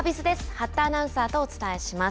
八田アナウンサーとお伝えします。